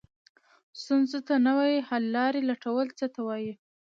ستونزو ته نوې حل لارې لټول څه ته وایي؟